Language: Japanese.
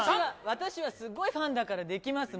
私はすっごいファンだからできます